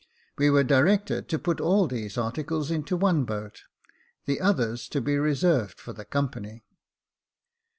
We were directed to put all these articles into one boat ; the others to be reserved for the company.